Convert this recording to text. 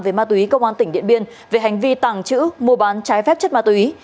về ma túy công an tỉnh điện biên về hành vi tàng trữ mua bán trái phép chất ma túy